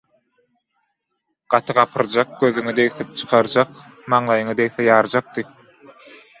Gaty gapyrjak gözüňe degse çykarjak, maňlaýyňa degse ýarjakdy.